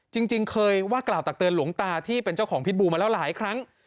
จริงเคยว่ากล่าวตักเตือนหลวงตาที่เป็นเจ้าของพิษบูมาแล้วหลายครั้ง